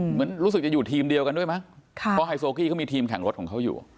เหมือนรู้สึกจะอยู่ทีมเดียวกันด้วยมั้งเพราะไฮโซกี้เขามีทีมแข่งรถของเขาอยู่